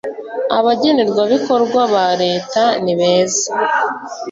abagenerwabikorwa ba reta nibeza